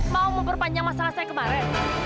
mau memperpanjang masalah saya kemarin